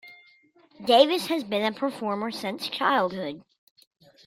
Davis had been a performer since childhood.